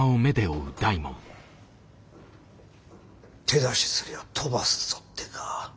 手出しすりゃ飛ばすぞってか。